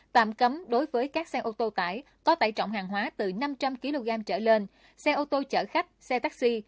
tạm cấm đối với các xe ô tô tải có tải trọng hàng hóa từ năm trăm linh kg trở lên xe ô tô chở khách xe taxi